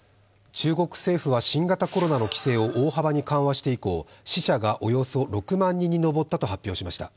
中国政府は新型コロナの規制を大幅に緩和して以降、死者がおよそ６万人に上ったと発表しました。